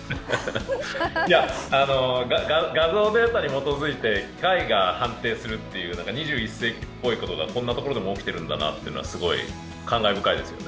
いや、画像データに基づいて機械が判定するという２１世紀っぽいことがこんなところでも起きているんだなというのがすごい感慨深いですね。